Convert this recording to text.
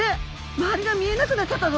周りが見えなくなっちゃったぞ。